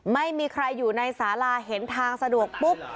ไม่มีใครอยู่ในสาราเห็นทางสะดวกปุ๊บ